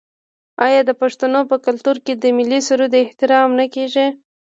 آیا د پښتنو په کلتور کې د ملي سرود احترام نه کیږي؟